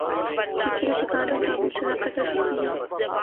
مسلئے کا شکار ہیں تو آپ مجھ سے رابطہ کر سکتے ہیں